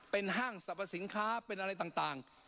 เป็นห้างสรรพสินค้าเป็นอะไรต่าง